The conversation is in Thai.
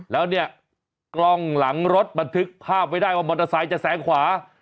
แล้วเนี่ยกล้องหลังรถบันทึกภาพไว้ได้ว่ามอเตอร์ไซค์จะแสงขวา